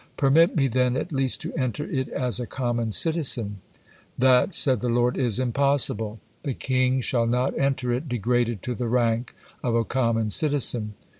Permit me then, at least, to enter it as a common citizen." "That," said the Lord, "is impossible. The king shall not enter it degraded to the rank of a common citizen."